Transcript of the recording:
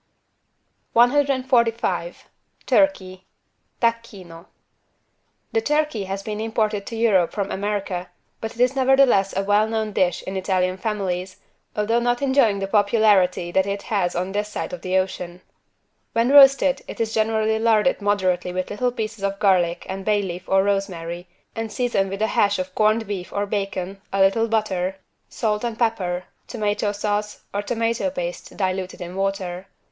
145 TURKEY (Tacchino) The turkey has been imported to Europe from America, but it is nevertheless a well known dish in Italian families, although not enjoying the popularity that it has on this side of the ocean. When roasted it is generally larded moderately with little pieces of garlic and bay leaf or rosemary and seasoned with a hash of corned beef or bacon, a little butter, salt and pepper, tomato sauce or tomato paste diluted in water.